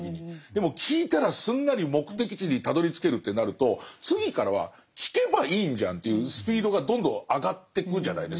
でも聞いたらすんなり目的地にたどりつけるってなると次からは聞けばいいんじゃんっていうスピードがどんどん上がってくじゃないですか。